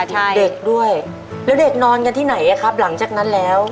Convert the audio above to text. เด็กด้วยแล้วเด็กนอนกันที่ไหนอะครับหลังจากนั้นแล้ว